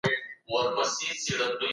د لويي جرګې بریالیتوب څنګه ارزول کېږي؟